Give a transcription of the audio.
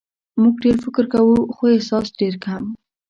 موږ ډېر فکر کوو خو احساس ډېر کم.